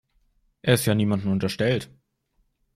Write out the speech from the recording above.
Er ist ja niemandem unterstellt.